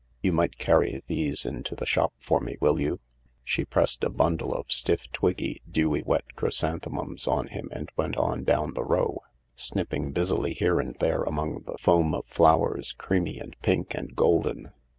You might carry these into the shop for me, will you ?" She pressed a bundle of stiff twiggy, dewy wet chrysanthemums on him and went on down the row, snipping busily here and there among the foam of flowers, creamy and pink and golden.